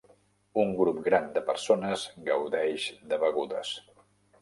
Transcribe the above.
Un grup gran de persones gaudeix de begudes.